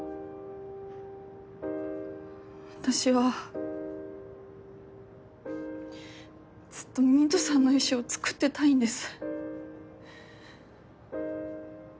私はずっとミントさんの衣装を作ってたいんです。